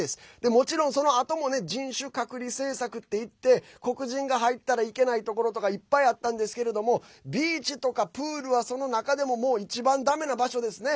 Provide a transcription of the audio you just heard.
もちろん、そのあとも人種隔離政策っていって黒人が入ったらいけないところとかいっぱいあったんですけどビーチとかプールはその中でも一番だめな場所ですね。